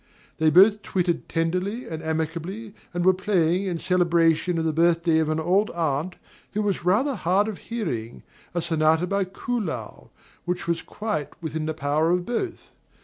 They both twittered tenderly and amicably, and were playing, in celebration of the birthday of an old aunt who was rather hard of hearing, a sonata by Kuhlau, which was quite within the power of both.